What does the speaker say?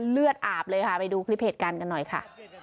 เลือดอาบเลยค่ะไปดูคลิปเหตุการณ์กันหน่อยค่ะ